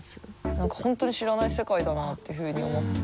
何か本当に知らない世界だなっていうふうに思って。